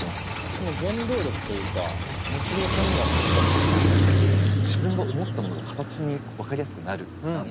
その原動力というかモチベーションになってたものは何だったんですか？